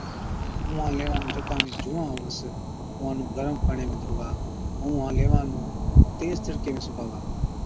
اُونهان ليوان نُون جڪا ۾ جُوئان هُوَس اُونهان نُون گرم پاڻِيان ۾ ڌووا ائُون اُونهان ليوان نُون تيز تِڙڪي ۾ سُڪاوا۔